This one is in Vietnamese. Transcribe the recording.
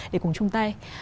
để cùng chung tay